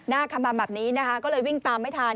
หน้าคำบำแบบนี้นะคะก็เลยวิ่งตามไม่ทัน